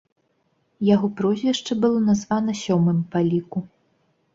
Яго прозвішча было названа сёмым па ліку.